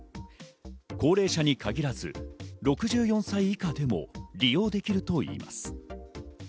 高齢者に限らず、６４歳以下でも利用できるといいます。